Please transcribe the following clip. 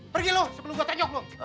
pergi lu sebelum gue tenyok lu